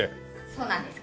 そうなんです。